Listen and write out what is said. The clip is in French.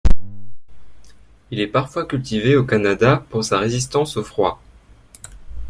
Il est parfois cultivé au Canada pour sa résistance au froid.